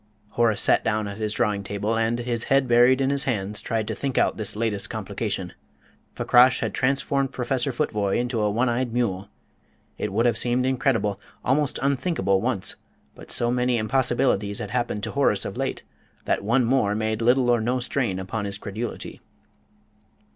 Horace sat down at his drawing table, and, his head buried in his hands, tried to think out this latest complication. Fakrash had transformed Professor Futvoye into a one eyed mule. It would have seemed incredible, almost unthinkable, once, but so many impossibilities had happened to Horace of late that one more made little or no strain upon his credulity.